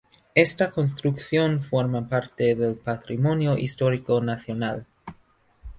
Esta construcción forma parte del patrimonio histórico nacional.